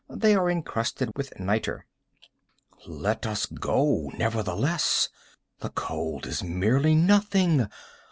They are encrusted with nitre." "Let us go, nevertheless. The cold is merely nothing.